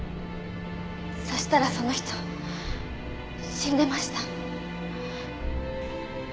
そしたらその人死んでました。